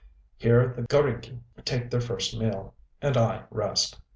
Here the g┼Źriki take their first meal; and I rest.